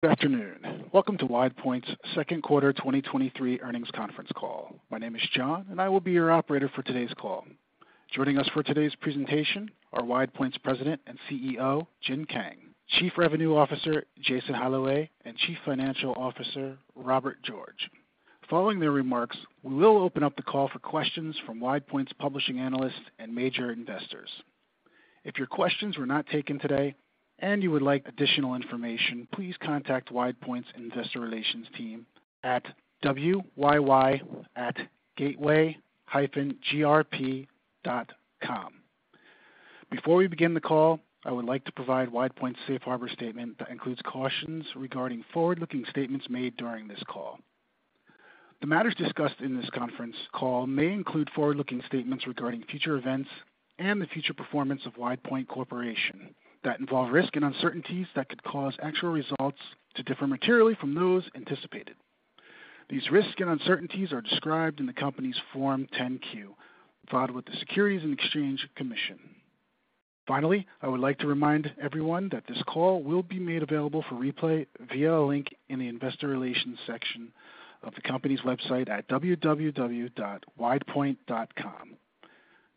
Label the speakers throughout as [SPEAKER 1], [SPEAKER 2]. [SPEAKER 1] Good afternoon. Welcome to WidePoint's second quarter 2023 earnings conference call. My name is John, and I will be your operator for today's call. Joining us for today's presentation are WidePoint's President and CEO, Jin Kang, Chief Revenue Officer, Jason Holloway, and Chief Financial Officer, Robert George. Following their remarks, we will open up the call for questions from WidePoint's publishing analysts and major investors. If your questions were not taken today, and you would like additional information, please contact WidePoint's Investor Relations team at WYY@gateway-grp.com. Before we begin the call, I would like to provide WidePoint's safe harbor statement that includes cautions regarding forward-looking statements made during this call. The matters discussed in this conference call may include forward-looking statements regarding future events and the future performance of WidePoint Corporation that involve risks and uncertainties that could cause actual results to differ materially from those anticipated. These risks and uncertainties are described in the company's Form 10-Q, filed with the Securities and Exchange Commission. Finally, I would like to remind everyone that this call will be made available for replay via a link in the Investor Relations section of the company's website at www.widepoint.com.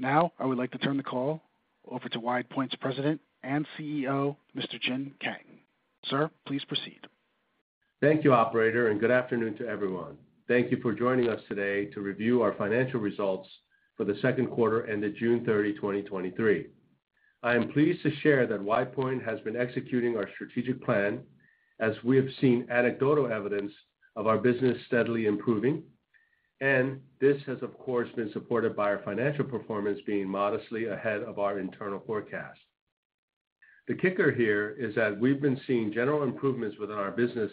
[SPEAKER 1] Now, I would like to turn the call over to WidePoint's President and CEO, Mr. Jin Kang. Sir, please proceed.
[SPEAKER 2] Thank you, operator. Good afternoon to everyone. Thank you for joining us today to review our financial results for the second quarter ended June 30, 2023. I am pleased to share that WidePoint has been executing our strategic plan as we have seen anecdotal evidence of our business steadily improving. This has, of course, been supported by our financial performance being modestly ahead of our internal forecast. The kicker here is that we've been seeing general improvements within our business,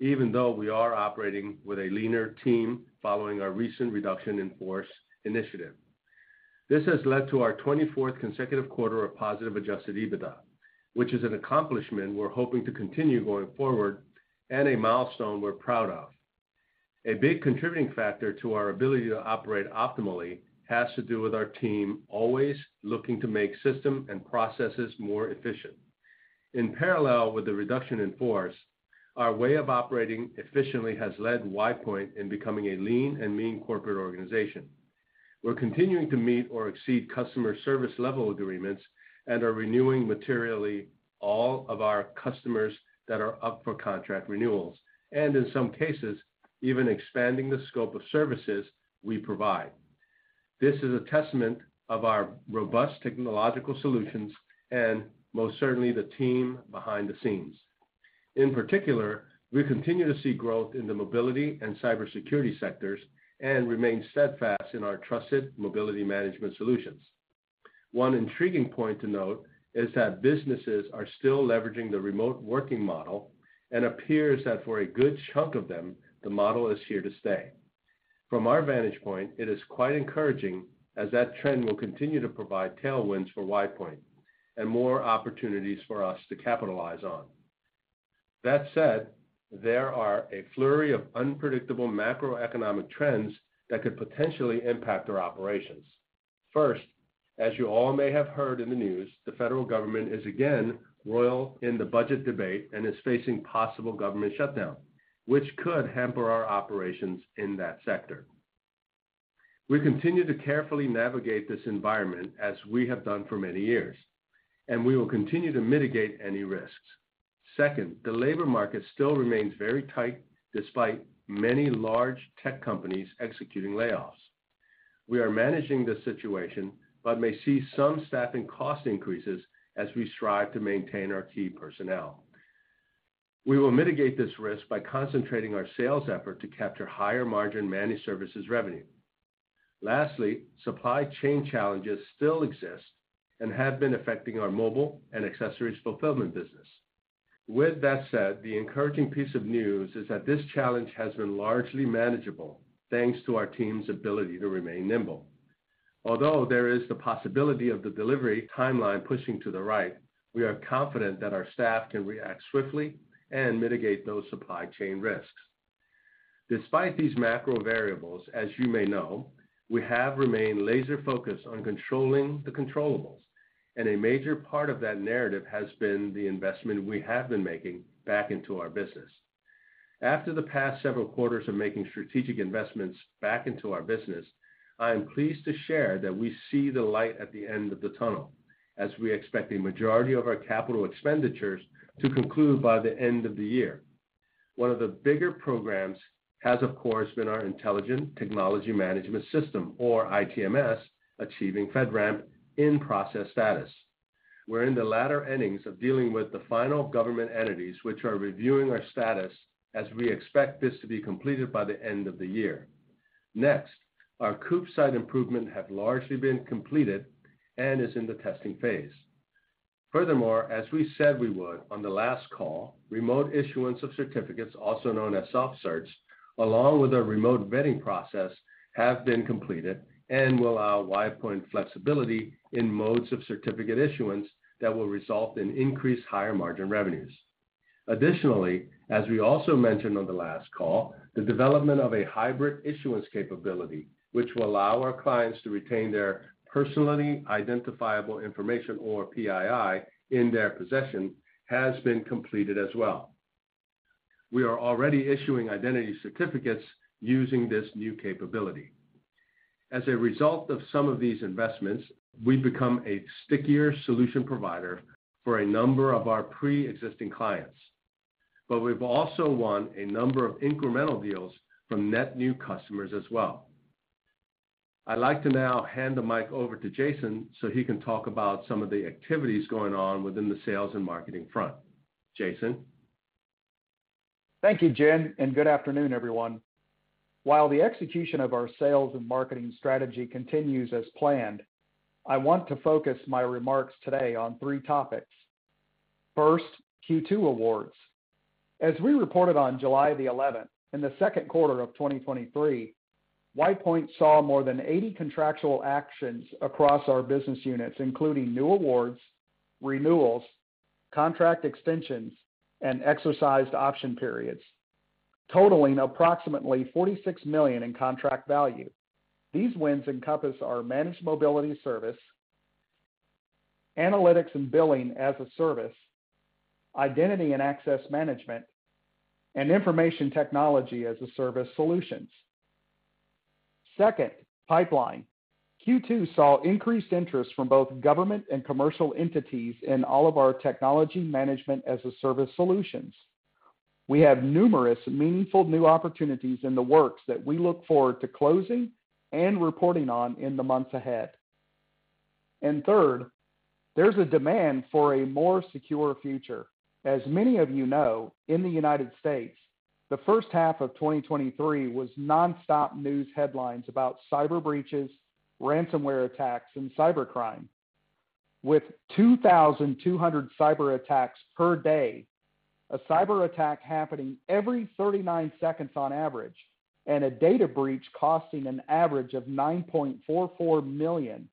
[SPEAKER 2] even though we are operating with a leaner team following our recent reduction in force initiative. This has led to our 24th consecutive quarter of positive Adjusted EBITDA, which is an accomplishment we're hoping to continue going forward and a milestone we're proud of. A big contributing factor to our ability to operate optimally has to do with our team always looking to make systems and processes more efficient. In parallel with the reduction in force, our way of operating efficiently has led WidePoint in becoming a lean and mean corporate organization. We're continuing to meet or exceed customer service level agreements and are renewing materially all of our customers that are up for contract renewals, and in some cases, even expanding the scope of services we provide. This is a testament of our robust technological solutions and most certainly the team behind the scenes. In particular, we continue to see growth in the mobility and cybersecurity sectors and remain steadfast in our Trusted Mobility Management solutions. One intriguing point to note is that businesses are still leveraging the remote working model and appears that for a good chunk of them, the model is here to stay. From our vantage point, it is quite encouraging, as that trend will continue to provide tailwinds for WidePoint and more opportunities for us to capitalize on. That said, there are a flurry of unpredictable macroeconomic trends that could potentially impact our operations. First, as you all may have heard in the news, the federal government is again roiled in the budget debate and is facing possible government shutdown, which could hamper our operations in that sector. We continue to carefully navigate this environment, as we have done for many years, and we will continue to mitigate any risks. Second, the labor market still remains very tight, despite many large tech companies executing layoffs. We are managing the situation but may see some staffing cost increases as we strive to maintain our key personnel. We will mitigate this risk by concentrating our sales effort to capture higher-margin managed services revenue. Lastly, supply chain challenges still exist and have been affecting our mobile and accessories fulfillment business. With that said, the encouraging piece of news is that this challenge has been largely manageable, thanks to our team's ability to remain nimble. Although there is the possibility of the delivery timeline pushing to the right, we are confident that our staff can react swiftly and mitigate those supply chain risks. Despite these macro variables, as you may know, we have remained laser-focused on controlling the controllables, and a major part of that narrative has been the investment we have been making back into our business. After the past several quarters of making strategic investments back into our business, I am pleased to share that we see the light at the end of the tunnel, as we expect the majority of our capital expenditures to conclude by the end of the year. One of the bigger programs has, of course, been our Intelligent Telecommunications Management System, or ITMS, achieving FedRAMP in process status. We're in the latter innings of dealing with the final government entities, which are reviewing our status as we expect this to be completed by the end of the year. Next, our COOP site improvement have largely been completed and is in the testing phase. Furthermore, as we said we would on the last call, remote issuance of certificates, also known as soft certs, along with our remote vetting process, have been completed and will allow WidePoint flexibility in modes of certificate issuance that will result in increased higher-margin revenues. Additionally, as we also mentioned on the last call, the development of a hybrid issuance capability, which will allow our clients to retain their Personally Identifiable Information, or PII, in their possession, has been completed as well. We are already issuing identity certificates using this new capability. As a result of some of these investments, we've become a stickier solution provider for a number of our pre-existing clients, but we've also won a number of incremental deals from net new customers as well. I'd like to now hand the mic over to Jason, so he can talk about some of the activities going on within the sales and marketing front. Jason?
[SPEAKER 3] Thank you, Jin, and good afternoon, everyone. While the execution of our sales and marketing strategy continues as planned, I want to focus my remarks today on three topics. First, Q2 awards. As we reported on July 11th, in the second quarter of 2023, WidePoint saw more than 80 contractual actions across our business units, including new awards, renewals, contract extensions, and exercised option periods, totaling approximately $46 million in contract value. These wins encompass our managed mobility service, analytics and billing as a service, identity and access management, and Information Technology as a service solutions. Second, pipeline. Q2 saw increased interest from both government and commercial entities in all of our Technology Management as a service solutions. We have numerous meaningful new opportunities in the works that we look forward to closing and reporting on in the months ahead. Third, there's a demand for a more secure future. As many of you know, in the United States, the first half of 2023 was nonstop news headlines about cyber breaches, ransomware attacks, and cybercrime. With 2,200 cyberattacks per day, a cyberattack happening every 39 seconds on average, and a data breach costing an average of $9.44 million,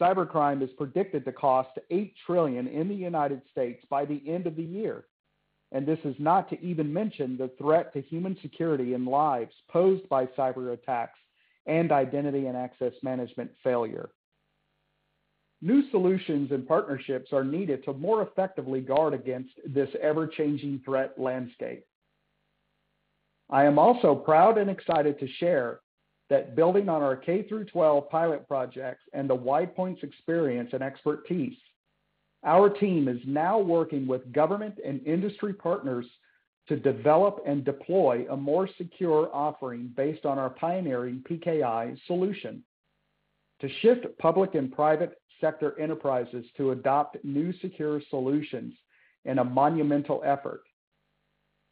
[SPEAKER 3] cybercrime is predicted to cost $8 trillion in the United States by the end of the year. This is not to even mention the threat to human security and lives posed by cyberattacks and identity and access management failure. New solutions and partnerships are needed to more effectively guard against this ever-changing threat landscape. I am also proud and excited to share that building on our K-12 pilot projects and the WidePoint's experience and expertise, our team is now working with government and industry partners to develop and deploy a more secure offering based on our pioneering PKI solution, to shift public and private sector enterprises to adopt new secure solutions in a monumental effort.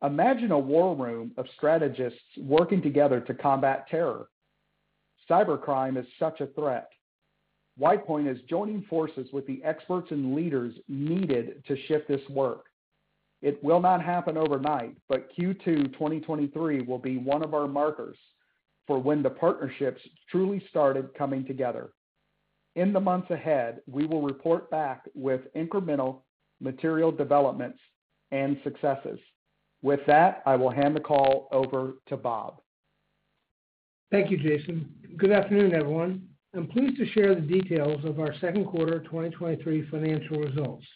[SPEAKER 3] Imagine a war room of strategists working together to combat terror. Cybercrime is such a threat. WidePoint is joining forces with the experts and leaders needed to shift this work. It will not happen overnight, Q2 2023 will be one of our markers for when the partnerships truly started coming together. In the months ahead, we will report back with incremental material developments and successes. With that, I will hand the call over to Bob.
[SPEAKER 4] Thank you, Jason. Good afternoon, everyone. I'm pleased to share the details of our second quarter 2023 financial results.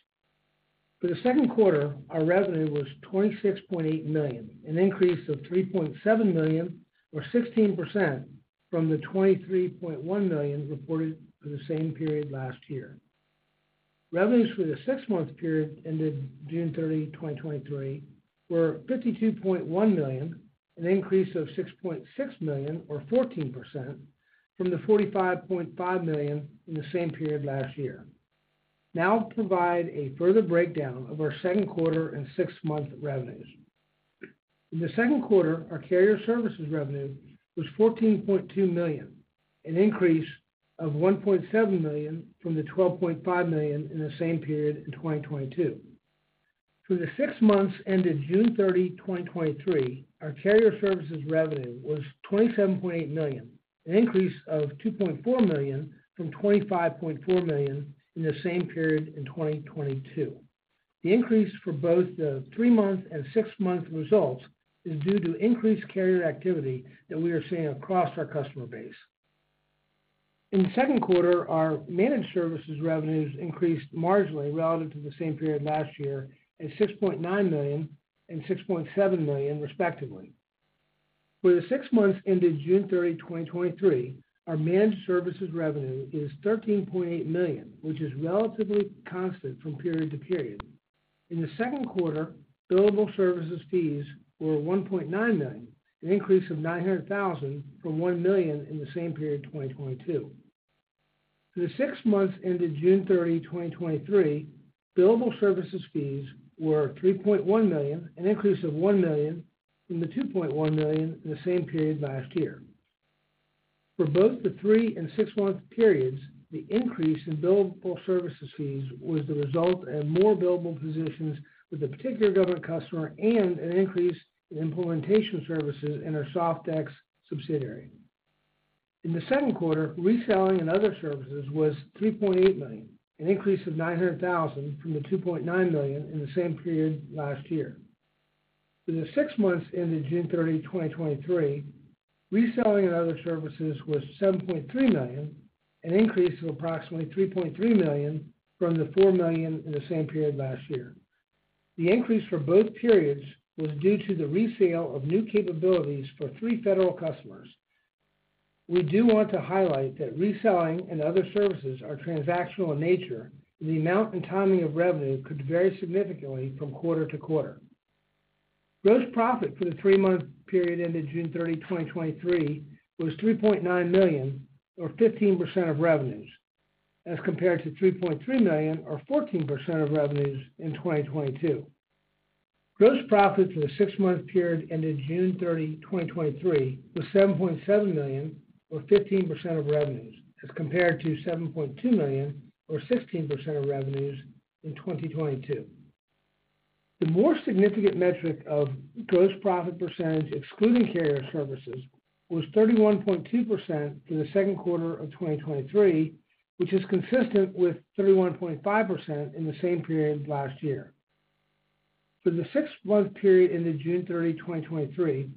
[SPEAKER 4] For the second quarter, our revenue was $26.8 million, an increase of $3.7 million or 16% from the $23.1 million reported for the same period last year. Revenues for the six-month period ended June 30, 2023, were $52.1 million, an increase of $6.6 million, or 14%, from the $45.5 million in the same period last year. I'll provide a further breakdown of our second quarter and six-month revenues. In the second quarter, our carrier services revenue was $14.2 million, an increase of $1.7 million from the $12.5 million in the same period in 2022. For the six months ended June 30, 2023, our carrier services revenue was $27.8 million, an increase of $2.4 million from $25.4 million in the same period in 2022. The increase for both the three-month and six-month results is due to increased carrier activity that we are seeing across our customer base. In the second quarter, our managed services revenues increased marginally relative to the same period last year, at $6.9 million and $6.7 million, respectively. For the six months ended June 30, 2023, our managed services revenue is $13.8 million, which is relatively constant from period to period. In the second quarter, billable services fees were $1.9 million, an increase of $900,000 from $1 million in the same period in 2022. For the six months ended June 30, 2023, billable services fees were $3.1 million, an increase of $1 million from the $2.1 million in the same period last year. For both the three and six month periods, the increase in billable services fees was the result of more billable positions with a particular government customer and an increase in implementation services in our SoftDex subsidiary. In the second quarter, reselling and other services was $3.8 million, an increase of $900,000 from the $2.9 million in the same period last year. For the six months ended June 30, 2023, reselling and other services was $7.3 million, an increase of approximately $3.3 million from the $4 million in the same period last year. The increase for both periods was due to the resale of new capabilities for three federal customers. We do want to highlight that reselling and other services are transactional in nature, the amount and timing of revenue could vary significantly from quarter to quarter. Gross profit for the three-month period ended June 30, 2023, was $3.9 million, or 15% of revenues, as compared to $3.3 million, or 14% of revenues in 2022. Gross profit for the six-month period ended June 30, 2023, was $7.7 million, or 15% of revenues, as compared to $7.2 million, or 16% of revenues in 2022. The more significant metric of gross profit percentage, excluding carrier services, was 31.2% for the second quarter of 2023, which is consistent with 31.5% in the same period last year. For the six month period, ended June 30, 2023,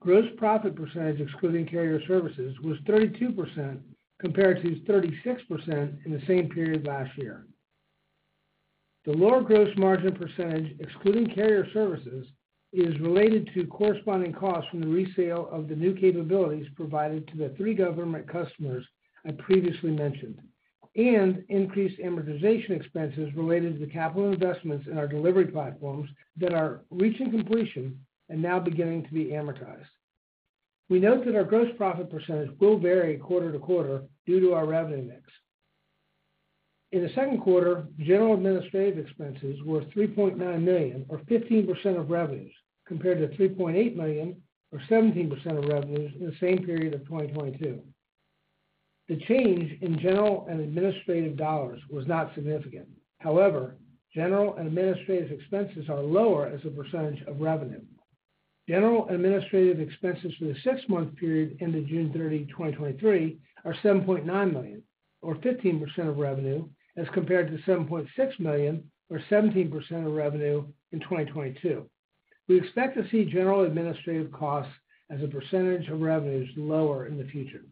[SPEAKER 4] gross profit percentage, excluding carrier services, was 32%, compared to 36% in the same period last year. The lower gross margin percentage, excluding carrier services, is related to corresponding costs from the resale of the new capabilities provided to the three government customers I previously mentioned, and increased amortization expenses related to the capital investments in our delivery platforms that are reaching completion and now beginning to be amortized. We note that our gross profit percentage will vary quarter to quarter due to our revenue mix. In the second quarter, general administrative expenses were $3.9 million, or 15% of revenues, compared to $3.8 million, or 17% of revenues, in the same period of 2022. The change in general and administrative dollars was not significant. However, general and administrative expenses are lower as a % of revenue. General and administrative expenses for the six-month period, ended June 30, 2023, are $7.9 million, or 15% of revenue, as compared to $7.6 million, or 17% of revenue, in 2022. We expect to see general administrative costs as a % of revenues lower in the future.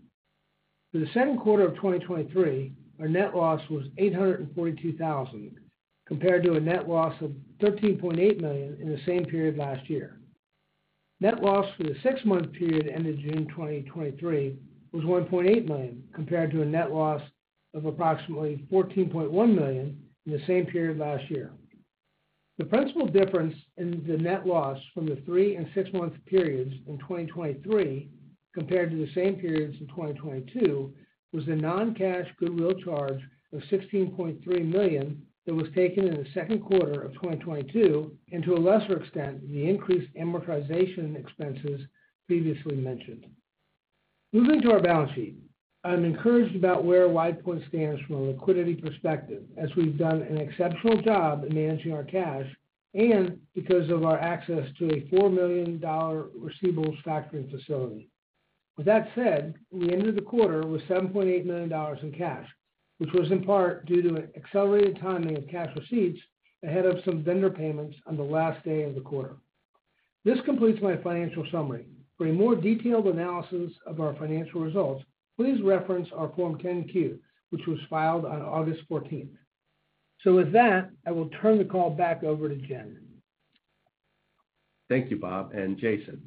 [SPEAKER 4] For the second quarter of 2023, our net loss was $842,000, compared to a net loss of $13.8 million in the same period last year. Net loss for the six month period, ended June 2023, was $1.8 million, compared to a net loss of approximately $14.1 million in the same period last year. The principal difference in the net loss from the three and six month periods in 2023, compared to the same periods in 2022, was the non-cash goodwill charge of $16.3 million that was taken in the second quarter of 2022, and to a lesser extent, the increased amortization expenses previously mentioned. Moving to our balance sheet. I'm encouraged about where WidePoint stands from a liquidity perspective, as we've done an exceptional job in managing our cash, and because of our access to a $4 million receivables factoring facility. With that said, we ended the quarter with $7.8 million in cash, which was in part due to an accelerated timing of cash receipts ahead of some vendor payments on the last day of the quarter. This completes my financial summary. For a more detailed analysis of our financial results, please reference our Form 10-Q, which was filed on August 14th. With that, I will turn the call back over to Jin.
[SPEAKER 2] Thank you, Bob and Jason.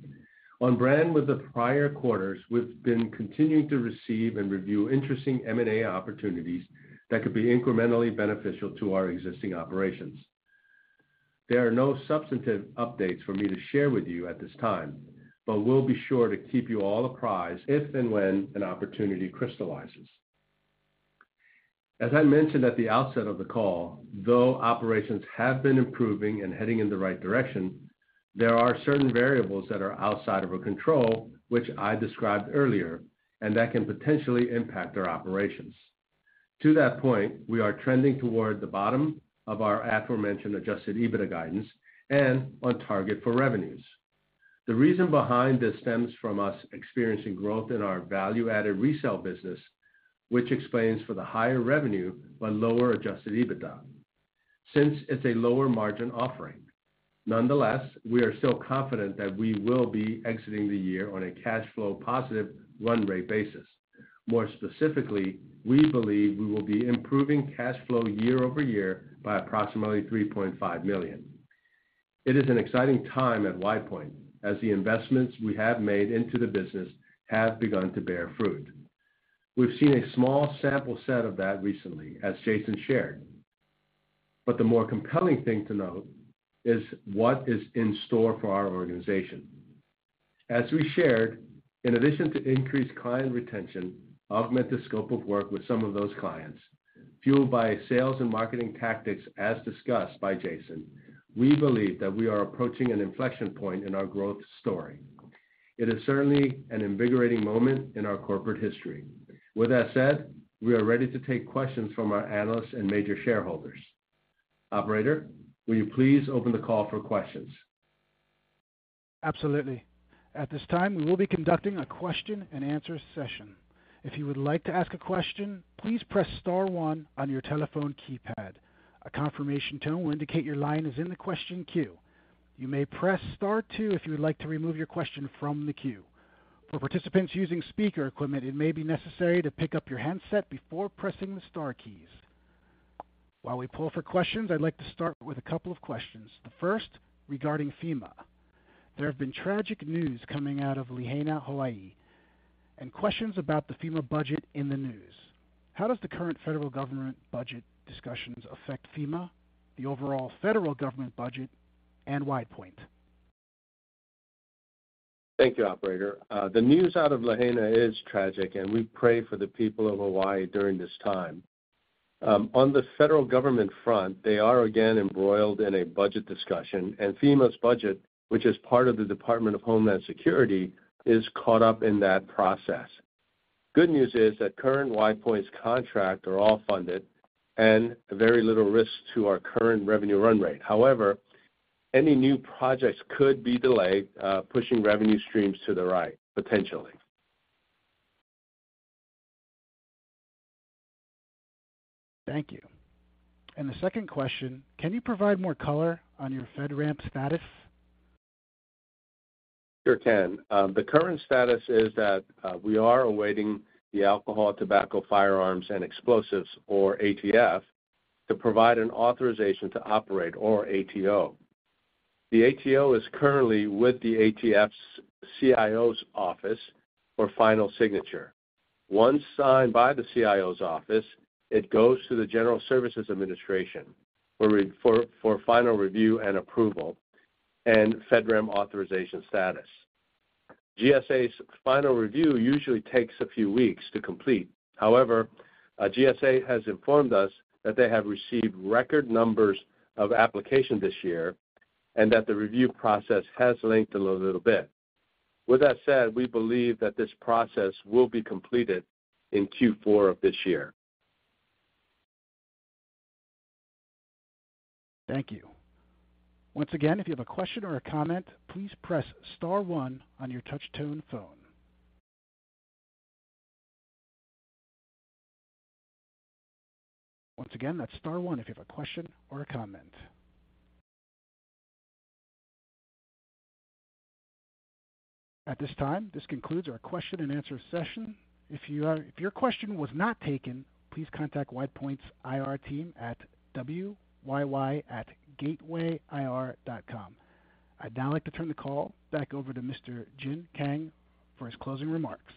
[SPEAKER 2] On brand with the prior quarters, we've been continuing to receive and review interesting M&A opportunities that could be incrementally beneficial to our existing operations. There are no substantive updates for me to share with you at this time, but we'll be sure to keep you all apprised if and when an opportunity crystallizes. As I mentioned at the outset of the call, though operations have been improving and heading in the right direction, there are certain variables that are outside of our control, which I described earlier, and that can potentially impact our operations. To that point, we are trending toward the bottom of our aforementioned Adjusted EBITDA guidance and on target for revenues. The reason behind this stems from us experiencing growth in our value-added resale business, which explains for the higher revenue but lower Adjusted EBITDA. Since it's a lower margin offering, nonetheless, we are still confident that we will be exiting the year on a cash flow positive run rate basis. More specifically, we believe we will be improving cash flow year-over-year by approximately $3.5 million. It is an exciting time at WidePoint as the investments we have made into the business have begun to bear fruit. We've seen a small sample set of that recently, as Jason shared, but the more compelling thing to note is what is in store for our organization. As we shared, in addition to increased client retention, augment the scope of work with some of those clients, fueled by sales and marketing tactics, as discussed by Jason, we believe that we are approaching an inflection point in our growth story. It is certainly an invigorating moment in our corporate history. With that said, we are ready to take questions from our analysts and major shareholders. Operator, will you please open the call for questions?
[SPEAKER 1] Absolutely. At this time, we will be conducting a question and answer session. If you would like to ask a question, please press star one on your telephone keypad. A confirmation tone will indicate your line is in the question queue. You may press star two if you would like to remove your question from the queue. For participants using speaker equipment, it may be necessary to pick up your handset before pressing the star keys. While we pull for questions, I'd like to start with a couple of questions. The first, regarding FEMA. There have been tragic news coming out of Lahaina, Hawaii, and questions about the FEMA budget in the news. How does the current federal government budget discussions affect FEMA, the overall federal government budget, and WidePoint?
[SPEAKER 2] Thank you, operator. The news out of Lahaina is tragic, and we pray for the people of Hawaii during this time. On the federal government front, they are again embroiled in a budget discussion, and FEMA's budget, which is part of the Department of Homeland Security, is caught up in that process. Good news is that current WidePoint's contract are all funded and very little risk to our current revenue run rate. However, any new projects could be delayed, pushing revenue streams to the right, potentially.
[SPEAKER 1] Thank you. The second question, can you provide more color on your FedRAMP status?
[SPEAKER 2] Sure can. The current status is that we are awaiting the Alcohol, Tobacco, Firearms, and Explosives, or ATF, to provide an Authorization to Operate or ATO. The ATO is currently with the ATF's CIO's office for final signature. Once signed by the CIO's office, it goes to the General Services Administration for final review and approval and FedRAMP authorization status. GSA's final review usually takes a few weeks to complete. GSA has informed us that they have received record numbers of application this year and that the review process has lengthened a little bit. With that said, we believe that this process will be completed in Q4 of this year.
[SPEAKER 1] Thank you. Once again, if you have a question or a comment, please press star one on your touch tone phone. Once again, that's star one if you have a question or a comment. At this time, this concludes our question and answer session. If your question was not taken, please contact WidePoint's IR team at WYY@gatewayir.com. I'd now like to turn the call back over to Mr. Jin Kang for his closing remarks.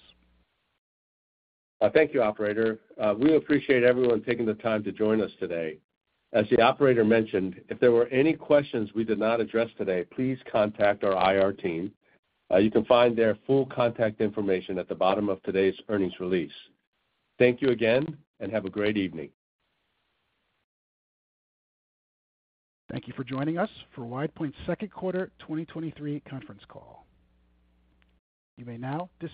[SPEAKER 2] Thank you, operator. We appreciate everyone taking the time to join us today. As the operator mentioned, if there were any questions we did not address today, please contact our IR team. You can find their full contact information at the bottom of today's earnings release. Thank you again, and have a great evening.
[SPEAKER 1] Thank you for joining us for WidePoint's second quarter 2023 conference call. You may now disconnect.